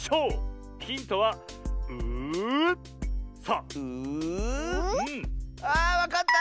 あわかった！